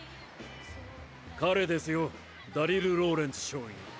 彼ですよダリル・ローレンツ少尉。